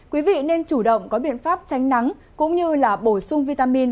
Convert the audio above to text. quý vị nên chủ động có biện pháp tránh nắng cũng như là bổ sung vitamin